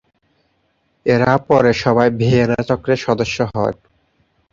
এরা পরে সবাই ভিয়েনা চক্রের সদস্য হন।